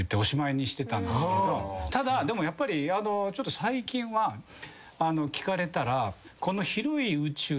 ただでもやっぱり最近は聞かれたら。